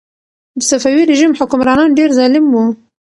د صفوي رژیم حکمرانان ډېر ظالم وو.